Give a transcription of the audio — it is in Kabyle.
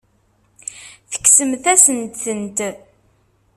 Tekksemt-asent-tent.